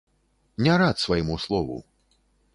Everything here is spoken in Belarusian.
Не рад свайму слову.